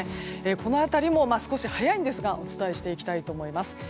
この辺りも少し早いんですがお伝えしていきたいと思います。